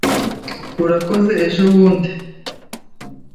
Urakoze ejobundi.